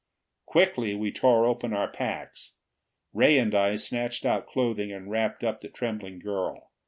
Quickly we tore open our packs. Ray and I snatched out clothing and wrapped up the trembling girl.